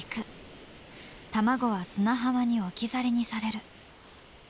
卵は砂浜に置き去りにされる。